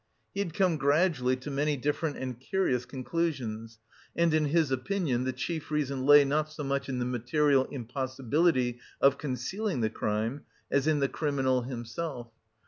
He had come gradually to many different and curious conclusions, and in his opinion the chief reason lay not so much in the material impossibility of concealing the crime, as in the criminal himself.